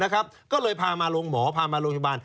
ก็เลยพามาลงหมอพามาโรงพยาบาล